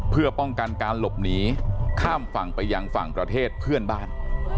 เพื่อป้องกันการหลบหนีข้ามฝั่งไปยังฝั่งประเทศเพื่อนบ้าน